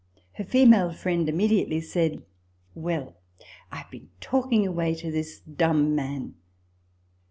Her female friend imme diately said, " Well, I have been talking away to this dumb man."